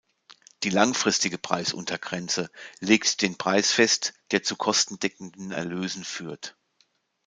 Die "langfristige Preisuntergrenze" legt den Preis fest, der zu kostendeckenden Erlösen führt.